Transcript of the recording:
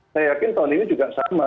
saya yakin tahun ini juga sama